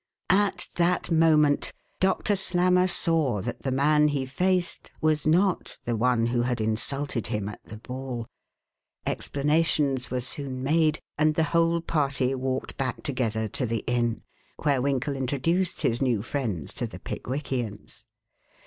At that moment Doctor Slammer saw that the man he faced was not the one who had insulted him at the ball. Explanations were soon made and the whole party walked back together to the inn, where Winkle introduced his new friends to the Pickwickians.